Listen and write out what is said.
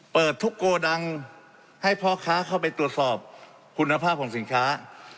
เปิดทุกโกดังให้พ่อค้าเข้าไปตรวจสอบคุณภาพของสินค้า